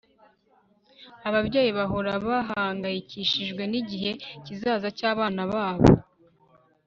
ababyeyi bahora bahangayikishijwe nigihe kizaza cyabana babo